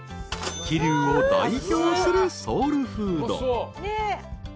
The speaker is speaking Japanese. ［桐生を代表するソウルフード］